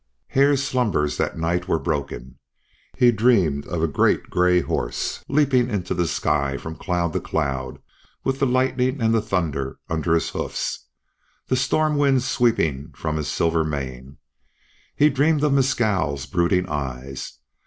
Hare's slumbers that night were broken. He dreamed of a great gray horse leaping in the sky from cloud to cloud with the lightning and the thunder under his hoofs, the storm winds sweeping from his silver mane. He dreamed of Mescal's brooding eyes.